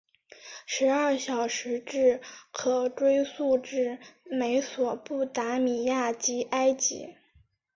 十二小时制可追溯至美索不达米亚及埃及。